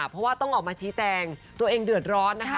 เพราะว่าต้องออกมาชี้แจงตัวเองเดือดร้อนนะคะ